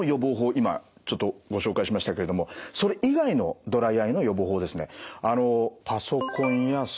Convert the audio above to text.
今ちょっとご紹介しましたけれどもそれ以外のドライアイの予防法ですね